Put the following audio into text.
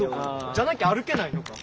じゃなきゃ歩けないのか。